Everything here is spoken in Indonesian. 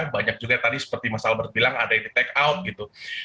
banyak juga tadi seperti mas albert bilang ada yang di take out gitu